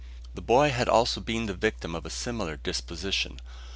The boy had also been the victim of a similar disposition.